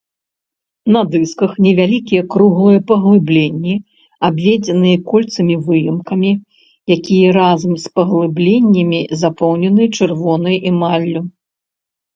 На дысках невялікія круглыя паглыбленні, абведзеныя кольцамі-выемкамі, якія разам з паглыбленнямі запоўнены чырвонай эмаллю.